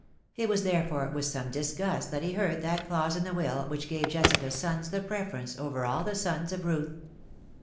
It was, therefore, with some disgust that he heard that clause in the will which gave Jessica's sons the preference over all the sons of Ruth.